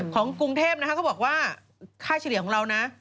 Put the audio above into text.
ของกรุงเทพนะคะเขาบอกว่าค่าเฉลี่ยของเรานะ